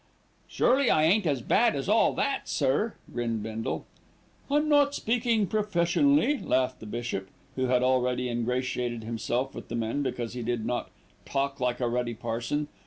"Surely I ain't as bad as all that, sir," grinned Bindle. "I'm not speaking professionally," laughed the bishop, who had already ingratiated himself with the men because he did not "talk like a ruddy parson."